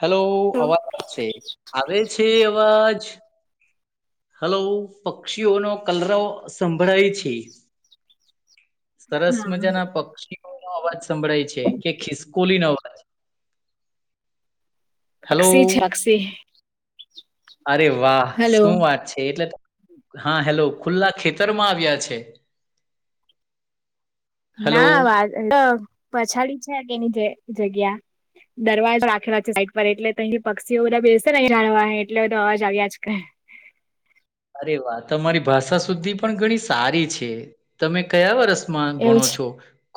Hello અવાજ આ આવે છે અવાજ હલો પક્ષીઓ નો કલરવ સંભળાય છે સરસ હા મજા ના પક્ષીઓ નો અવાજ સંભળાય છે કે ખિસકોલી નો અવાજ હલો અક્ષી છે અક્ષી અરે વાહ હલો શું વાત છે એટલે હા હેલો ખુલ્લા ખેતરમાં આવ્યા છે હલો ના વાત પછાડી છે કેની જગ્યા દરવાજા રાખેલા છે સાઈડ પર એટલે ત પક્ષીઓ બધા બેસે ન જાવા એટલે બધા અવાજ આવ આજકા અરે વાહ તમારી ભાષા સુધ્ધી ધી પણ ઘણી સારી છે તમે કયા વર્ષમાં એવું ભણો છે છો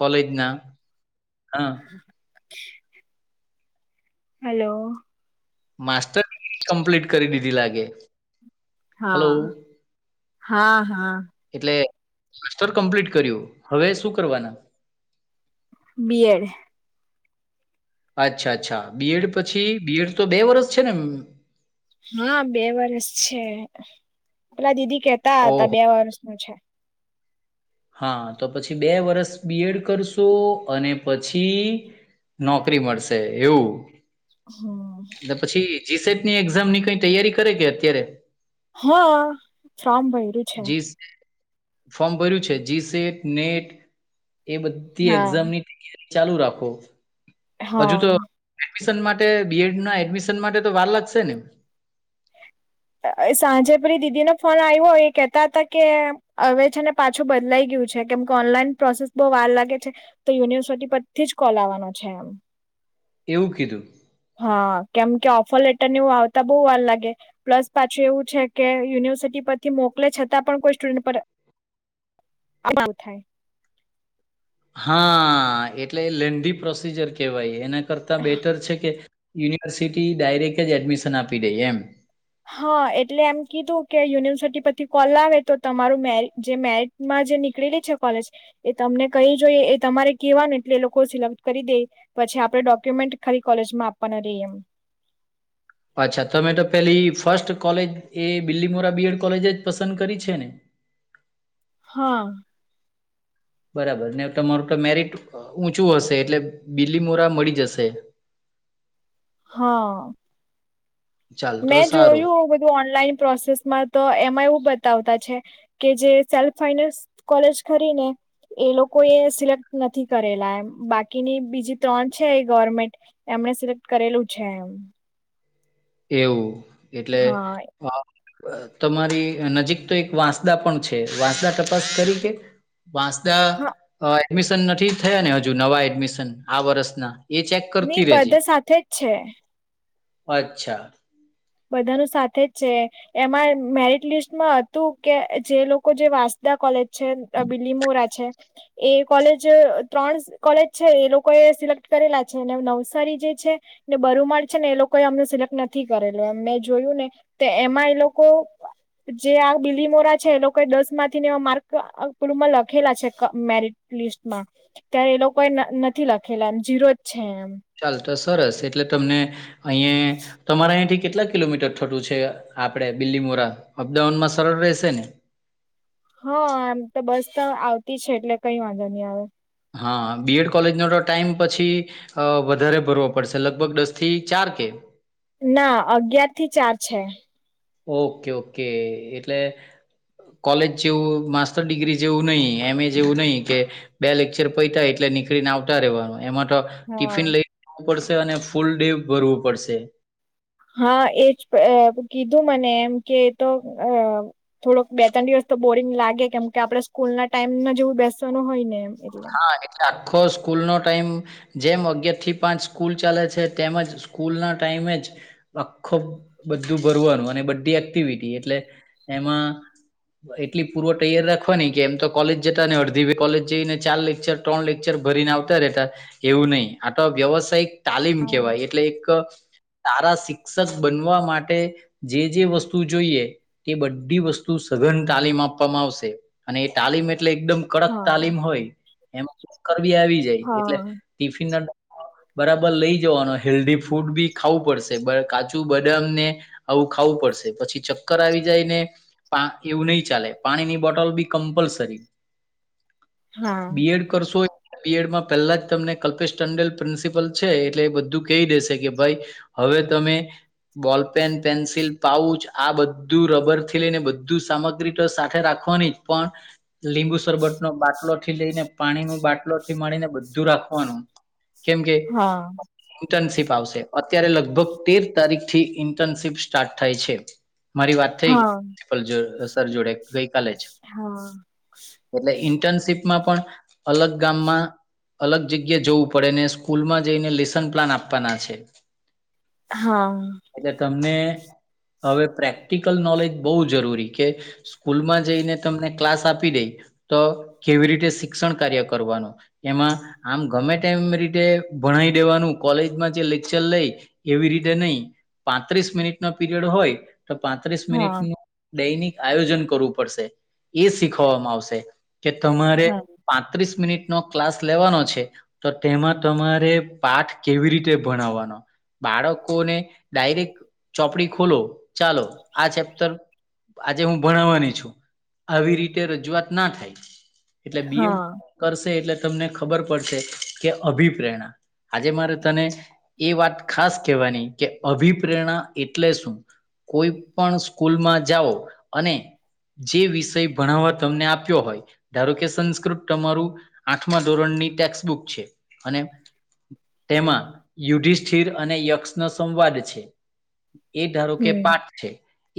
કોલેજ ના હા [inaudible] હલો માસ્ટર ડિગ્રી કમ્પ્લીટ કરી દીધી લાગે હલો હા હા હા એટલે માસ્ટર કમ્પ્લીટ કર્યું હવે શું કરવાના બી એડ અચ્છા અચ્છા બીએડ પછી બીએડ તો બે વરષ છે ને એમ હા બે વર્ષ છે પેલા દીદી કેતા ઓહો હતા બે વર્ષ નું છે હા તો પછી બે વર્ષ બી એડ કરશો અને પછી નોકરી મળશે એવું હ એટલે પછી જીસેટની એક્ઝામની કઈ તૈયારી કરે કે અત્યારે હા ફોમ ભર્યું છે જી ફોર્મ ભર્યું છે જીસેટ નેટ એ બધી હા એક્ઝામની ચાલુ રાખો હજુ હા તો એડમિશન માટે બીએડ ના એડમિશન માટે તો વાર લાગશે ને સાંજે પેલી દીદી ન ફોન આવ્યો હો એ કેહેતા હતા કે હવે છે ને પાછું બદલાઈ ગયું છે કેમ કે ઓનલાઈન પ્રોસેસ બહુ વાર લાગે છે તો યુનિવર્સિટી પરછથી જ કોલ આવવાનો છે એમ એવું કીધું હા કેમ કે ઓફર લેટર ને આવતા બહુ વાર લાગે પ્લસ પાછું એવું છે કે યુનિવર્સિટી પરથી મોકલે છતાં પણ કોઈ સ્ટુડન્ટ પર અગાઉ થાય હા એટલે લેન્ંધી પ્રોસીજર કહેવાય એના કરતાં બેટર છે કે યુનિવર્સિટી ડાયરેક્ટ જ એડમિશન આપી દે એમ હા એટલે એમ કીધું કે યુનિવર્સિટી પછથી કોલ આવે તો તમારું મ જે મેરિટ માં જે નીકળેલી છે કોલેજ એ તમને કહી જોઈ એ તમારે કેવાનું એટલે એ લોકો સિલેક્ટ કરી દે પછી આપણે ડોક્યુમેન્ટ ખાલી કોલેજમાં આપવાના રહીએ એમ અચ્છા તમે તો પેલી ફર્સ્ટ કોલેજ એ બિલ્લી મોરા બીએડ કોલેજ જ પસંદ કરી છે ને હા બરાબર ને તમારું તો મેરિટ ઊંચું હશે એટલે બીલી મોરા મળી જશે હા ચાલ તો મેં સારું. જોયું બધું ઓનલાઈન પ્રોસેસ માં તો એમાં એવું બતાવતા છે કે જે સેલ્ફ ફાઈનાન્સ કોલેજ કરીને એ લોકો એ સિલેક્ટ નથી કરેલા એમ બાકીની બીજી ત્રણ છે એ ગવર્મેન્ટ એમને સિલેક્ટ કરેલું છે એમ એવું એટલે હા તમારી નજીક તો એક વાંસદા પણ છે વાંસદા તપાસ કરીકે વાસદ હા એડમિશન નથી થયા ને હજુ નવા એડમિશન આ વર્ષના એ ચેક નહી કરતી રજે બધા સાથે જ છે અચ્છા બધાનું સાથે જ છે એમાં મેરિટ લિસ્ટમાં હતું કે જે લોકો જે વાંસદા કોલેજ છે બીલી મોરા છે એ કોલેજ ત્રણ કોલેજ છે એ લોકો એ સિલેક્ટ કરેલા છે અને નવસારી જે છે ને બરૂુમાળ છે ને એ લોકો એ અમને સિલેક્ટ નથી કરે મેં જોયું ને તો એમાં એ લોકો જે આ બિલી મોરા છે એ લોકો દસ માંથી ને એ માર્કપમાં લખેલા છે મેરિટ લિસ્ટમાં ત્યારે એ લોકો એ નથી લખેલા એમ જીરો જ છે એમ ચાલ તો સરસ એટલે તમને અહીયાં તમારા અહીંયાથી કેટલાક. કિલોમીટર થોટું છે આપડે બીલી મોરા અપડાઉન માં સરળ રહેશે ને હા આમ તો બસ તો આવતી છે એટલે કઈ વાંધો નહી આવે હા બીએડ કોલેજનો તો ટાઈમ પછી અ વધારે ભરવો પડશે લગભગ દસ થી ચાર કે ના અગયાર થી ચાર છે ઓકે ઓકે એટલે કોલેજ જેવું માસ્ટર ડિગ્રી જેવું નહી એમ એ જેવું નહી કે બે લેક્ચર પૈતા એટલે નીકળી ને આવતા રહેવાનું એમાં તો હા ટિફિન લઈ જવું પડશે અને ફૂલ ડે ભરવું પડશે હા એજ કીધું મને એમ કે તો અ થોડોક બે ત્રણ દિવસ તો બોરિંગ લાગે કેમ કે આપણે સ્કૂલ ના ટાઈમમાં જેવું બેસવાનું હોય ને એટલે હા એટલે આખો સ્કૂલ નો ટાઈમ જેમ અગયાર થી પાંચ સ્કૂલ ચાલે છે તેમજ સ્કૂલ ના ટાઈમે જ આખું બધું ભરવાનું અને બધી એક્ટિવિટી એટલે એમાં એટલી પૂર્વ તૈયાર રાખવાની કે એમ તો કોલેજ જતા અડધી કોલેજ જઈને ચાર લેક્ચર ત્રણ લેક્ચર ભરીને આવતા રહેતા એવું નહીિ આ તો વ્યવસાયિક તાલીમ કેહેવાય એટલે એક તારા શિક્ષક બનવા માટે જે જે વસ્તુ જોઈએ એ બધી વસ્તુ સઘન તાલીમ આપવામાં આવશે અને એ તાલીમ એટલે એકદમ કડક હા તાલીમ હોય એમ કરવીી આવી જાય એટલે હા ટિફિન ના બરાબર લઈ જવાનું હેલ્ધી ફૂડ બી ખાવું પડશે બ કાચું બદામ ને આવું ખાવું પડશે પછી ચક્કર આવી જાયને પા એવું નહી ચાલે પાણીની બોટલ બી કમ્પલસરી હા બી એડ કરશો પીએડમાં પેલા જ તમને કલ્પેશ ટંડેલ પ્રિન્સિપલ છે એટલે એ બધું કહી દેશે કે ભાઈ હવે તમે બોલ પેન પેન્સિલ પાઉચ આ બધું રબર થી લઈને બધું સામગ્રી ટ સાથે રાખવાની જ પણ લીંબુ સરબત નો બાટલો થી લઈને પાણી ન બાટલો થી મળીને બધું રાખવાનું કેમ કે હા ઇન્ટર્નશીપ આવશે અત્યારે લગભગ તેર તારીખ થી ઇન્ટર્નશીપ સ્ટાર્ટ થાય છે મારી વાત થઈ હા સર જોડે ગઈ કાલે જ હા એટલે ઇન્ટર્નશીપમાં પણ અલગ ગામમાં અલગ જગ્યા જવું પડે ને સ્કૂલમાં જઈને લેસન પ્લાન આપવાના છે હા એટલે તમને હવે પ્રેક્ટિકલ નોલેજ બહુ જરૂરી કે સ્કૂલમાં જઈને તમને ક્લાસ આપી દઈ તો કેવી રીતે શિક્ષણ કાર્ય કરવાનું એમાં આમ ગમે ટમ રીતે ભણાવ દેવાનું કોલેજમાં જે લેક્ચર લઈ એવી રીતે નહી પાંત્રીસ મિનિટ નો પીરિયડ હોય તો પાંત્રીસ હા મિનિટનું દૈનિક આયોજન કરવું પડશે એ શીખવવામાં આવશે કે તમારે હા પાંત્રીસ મિનિટ ન ક્લાસ લેવાનો છે તો તેમાં તમારે પાઠ કેવી રીતે ભણાવવાનો બાળકોને ડાયરેક્ટ ચોપડી ખોલો ચાલો આ ચેપ્ટર આજે હું ભણાવવાની છું આવી રીતે રજૂઆત ના થાય એટલે બી એડ હા કરશે એટલે તમને ખબર પડશે કે અભિપ્રેરણા આજે મારે તને એ વાત ખાસ કહેવાની કે અભિપ્રેરણા એટલે શું કોઈ પણ સ્કૂલમાં જાઓ અને જે વિષય ભણાવવા તમને આપ્યો હોય ધારો કે સંસ્ક્રપત અમારું આઠમા ધોરણની ટેક્સ્ટબુક છે અને તેમાં યુધિષ્ઠિર અને યક્ષ ન સંવાદ છે એ ધારો કે હમ પાઠ છે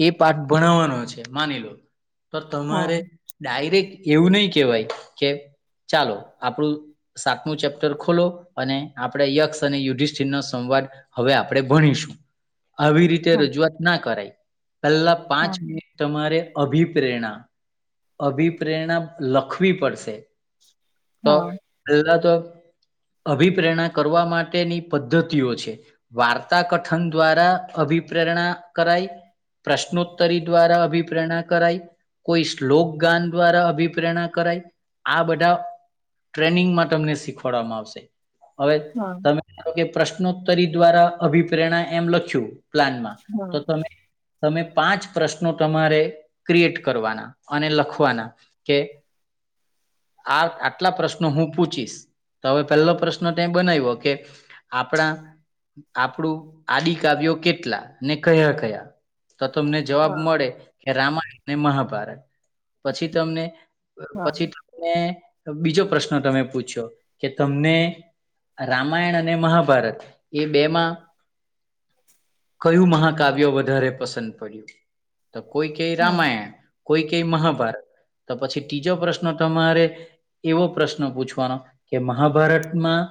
એ પાઠ ભણાવવાનો છે માની લો તો હા તમારે ડાયરેક્ટ એવું નહી કેહેવાય કે ચાલો આપણું સાતમું ચેપ્ટર ખોલો અને આપણે યક્ષ અને યુધિષ્ઠિર નો સંવાદ હવે આપણે ભણીશું આવી રીતે હા રજૂઆત ના કરાય પહેલા પાંચ હા મિનિટ તમારે અભિપ્રેરણા અભિપ પ્રેરણા લખવી [inaudible] પડશે તો હા પહેલા તો અભિપ્રેરણા કરવા માટેની પદ્ધતિઓ છે વાર્તા કથન દ્વારા અભિપ્રેરણા કરાય પ્રશ્નોત્તરી દ્વારા અભિપ્રેરણા કરાય કોઈ શ્લોક ગાન દ્વારા અભિપ્રેણા કરાય આ બધા ટ્રેનિંગમાં તમને શીખવાડવામાં આવશે હવે હા તમે મા કે પ્રશ્નોત્તરી દ્વારા અભિપ્રેરણા એમ લખ્યું પ્લાનમાં હા તો તમે તમે પાંચ પ્રશ્નો તમારે ક્રિએટ કરવાના અને લખવાના કે આ આટલા પ્રશ્નો હું પૂછીશ હવે પહેલો પ્રશ્ન ત બનાવ્યો કે આપણા આપડું આદ કાવ્યો કેટલા ને કયા કયા તો તમને જવાબ હા મળે કે રામાયણ અને મહાભારત પછી તમને હા પછી બીજો પ્રશ્ન તમે પૂછ્યો કે તમને રામાયણ અને મહાભારત એ બે માં કયું મહાકાવ્યો વધારે પસંદ પડ્યું તો કોઈ કઈ હા હા રામાયણ કોઈ કઈ મહાભારત તો પછી ત્રીજો પ્રશ્ન તમારે એવો પ્રશ્ન પૂછવાનો કે મહાભારતમાં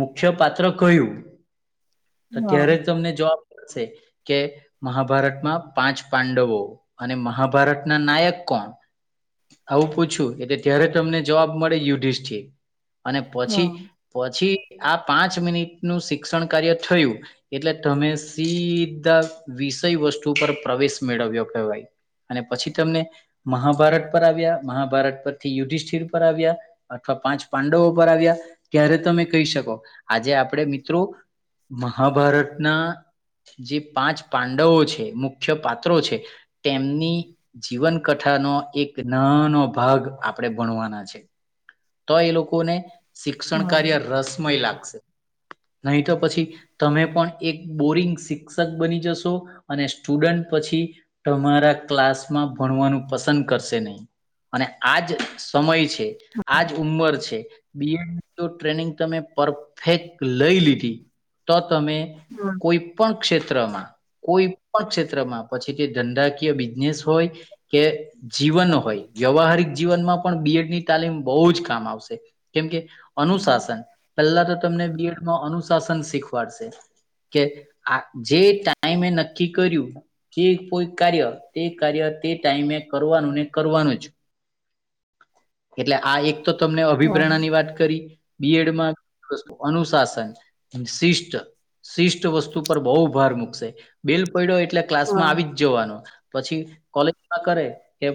મુખ્ય પાત્ર કયું હા અત્યારે હા તમને જવાબ મળશે કે મહાભારતમાં પાંચ પાંડવો અને મહાભારતના નાયક કોણ આવું પૂછું એ ત્યારે તમને જવાબ મળે યુધિષ્ઠિ અને પછી પછી આ પાંચ મિનિટ નું શિક્ષણ કાર્ય થયું એટલે તમે સીધા વિષય વસ્તુ પર પ્રવેશ મેળવ્યો કેવાય અને પછી તમને મહાભારત પર આવ્યા મહાભારત પરથી યુ્ધિષ્ઠિર પર આવ્યા અથવા પાંચ પાંડવો પર આવ્યા ત્યારે તમે કહી શકો આજે આપણે મિત્રો મહાભારતના જે પાંચ પાંડવો છે મુખ્ય પાત્રો છે તેમની જીવન કથા નો એક નાન નો ભાગ આપણે ભણવાના છે તો એ લોકોને શિક્ષણ કાર્ય રસમય લાગશે નહી તો પછી તમે પણ એક બોરિંગ શિક્ષક બની જશો અને સ્ટુડન્ટ પછી તમારા ક્લાસમાં ભણવાનું પસંદ કરશે નહી અને આજ સમય છે આજ ઉંમર છે. બી જો ટ્રેનિંગ તમે પરફેક્ટ લઈ લીધી તો તમે હા કોઈ પણ ક્ષેત્રમાં કોઈ પણ ક્ષેત્રમાં પછી કે ધંંધાકીય બિઝનેસ હોય કે જીવન હોય વ્યવહારિક જીવનમાં પણ બીએડની તાલીમ બહુ જ કામ આવશે કેમકે અનુશાસન પહેલા તો તમને બીએડમાં અનુશાસન શીખવાડશે કે આ જે ટાઈમે નક્કી કર્યું જે કોઈ કાર્ય તે કાર્ય તે ટાઈમે કરવાનું ને કરવાનું જ એટલે આ એક તો તમને હા અભિપ્રેણાની વાત કરી બીએડમાં વસ્તુ અનુશાસન શિષ્ટ શિષ્ટ વસ્તુ પર બહુ ભાર મૂકશે બેલ પડ્યો એટલે ક્લાસ માં આવી જ જોવાનો પછી કોલેજમાં કરે કે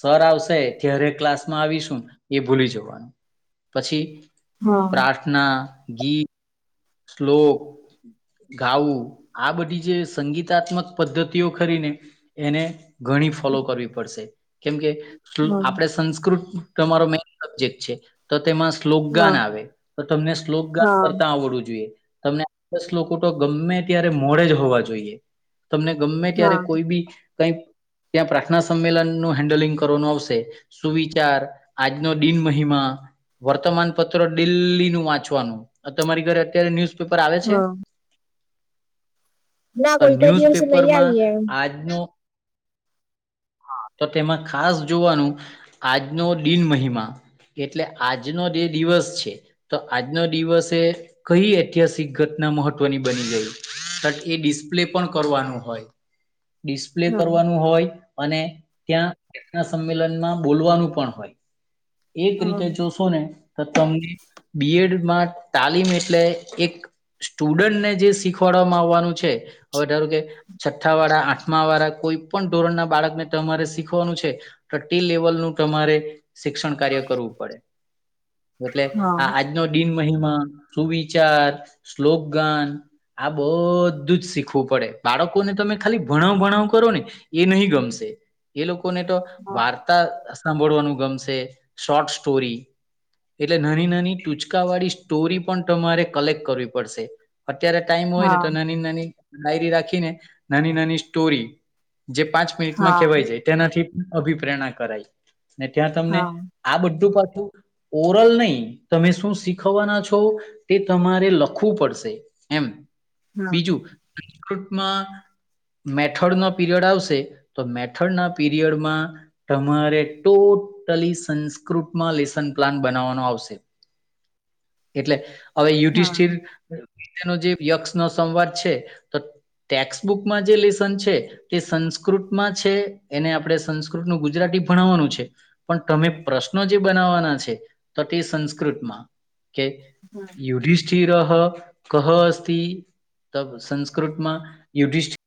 સર આવશે રે ક્લાસ માં આવીશું એ ભૂલી જવાનું પછી હા હા ના ગિ શલોલોક ગાવું આ બધી જે સંગીતાત્મક પદ્ધતિઓ કરીને એને ઘણી ફોલો કરવી પડશે કેમકે હા આપડે સંસ્કૃત તમારો મેન સબ્જેક્ટ છે. તો તેમાં શ્લોકગાન હા આવે તો તમને શ્લોકગાન હા કરતા આવડું છે. તમને દસ લોકો તો ગમે ત્યારે મોે જ હોવા જોઈએ તમને ગમે ત્યારે હા કોઈ બી કઈક ત્યાં પ્રાર્થના સંમેલન નું હેન્ડલિંગ કરવાનું આવશે સુવિચાર આજનો દિન મહિમા વર્તમાન પત્ર દિલ્હી નું વાંચવાનું તમારી ઘરે અત્યારે ન્યુઝપેપર આવે છે. હા ના કોઈ કોઈ ન્યૂઝ દિવસ લઈ પેપરમાં આવીએ એમ આજનો હા તો તેમાં ખાસ જોવાનું આજનો દિન મહિમા એટલે આજનો જે દિવસ છે તો આજનો દિવસે એ કઈ ઐતિહાસિક ઘટના મહત્વની બની ગઈ એ ડિસ્પ્લે પણ કરવાનું હોય. ડિસ્પ્લે કરવાનું હોય અને ત્યાંના સંમેલનમાં બોલવાનું પણ હોય. એક હા રીતે જોશો ને તો તમને બીએડમાં તાલીમ એટલે એક સ્ટુડન્ટને જે શીખવાડવામાં આવવાનું છે હવે ધારું કે છઠ્ઠા વાળા આઠમા વાળા કોઈ પણ ધોરણ ના બાળકને તમારે શીખવાનું છે. ટ ટી લેવલ નું તમારે શિક્ષણ કાર્ય કરવું પડે એટલે હા આજ આજ ન દિન મહિમા સુવિચાર શ્લોક ગાન આ બધું જ શીખવું પડે બાળકોને તમે ખાલી ભણાવ ભણાવ કરો ને એ નહી ગમશે એ લોકોને તો વાર્તા સાંભળવાનું ગમશે શોર્ટ સ્ટોરી એટલે નાની નાની ટૂચકા વાળી સ્ટોરી પણ તમારે કલેક્ટ કરવી પડશે અત્યારે ટાઈમ હોય ને હા તો નાની નાની ડાયરી રાખીને નાની નાની સ્ટોરી જે પાંચ હા મિનિટમાં હા કેહેવાય છે. તેનાથી અભિપ્રાય કરાય ને ત્યાં તમને હા આ બધું પાછું ઓરલ નહી તમે શું શીખવવાના છો તે તમારે લખવું પડશે એમ હા બીજું રાજકૃતમાં મેથડ ન પીરિયડ આવશે તો મેથડ ના પીરિયડમાં તમારે તો સંસ્કૃતમાં લેસન પ્લાન બનાવાનો આવશે એટલે હવે હા યુધિષઠિર તેનો જે યક્ષ નો સંવાદ છે તો ટેક્સ્ટબુકમાં જે લેસન છે. તે સંસ્કૃતમાં છે એને આપણે સંસ્કૃતનું ગુજરાતી ભણાવવાનું છે પણ તમે પ્રશ્નો જે બનાવવાના છે તો તે સંસ્કૃતમાં કે હા યુડીશ સંસ્ તમાંધિષિ